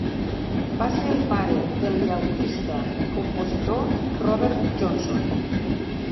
Va ser el pare del llaütista i compositor Robert Johnson.